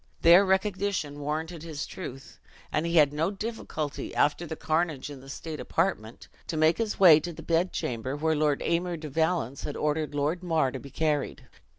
Their recognition warranted his truth; and he had no difficulty, after the carnage in the state apartment, to make his way to the bed chamber where Lord Aymer de Valence had ordered Lord Mar to be carried.